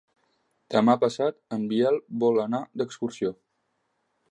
Demà passat en Biel vol anar d'excursió.